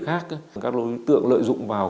khác các đối tượng lợi dụng vào